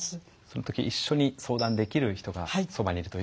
その時一緒に相談できる人がそばにいるといいですよね。